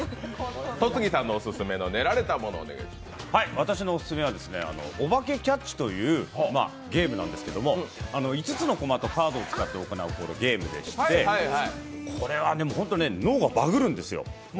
私のおすすめは「おばけキャッチ」というゲームなんですけども、５つの駒とカードを使って行うゲームでしてこれは、脳がバグるんですよ。